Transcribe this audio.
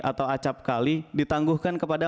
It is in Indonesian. atau acap kali ditangguhkan kepada